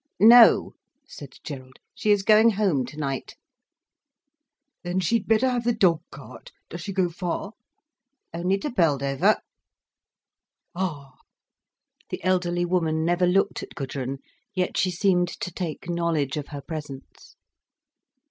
"No," said Gerald. "She is going home tonight." "Then she'd better have the dog cart. Does she go far?" "Only to Beldover." "Ah!" The elderly woman never looked at Gudrun, yet she seemed to take knowledge of her presence.